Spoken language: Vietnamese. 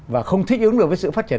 và không thích ứng được với sự phát triển